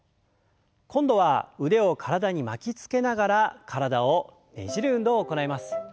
今度は腕を体に巻きつけながら体をねじる運動を行います。